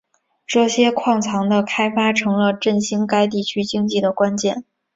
这些矿藏的开发成了振兴该地区经济的关键。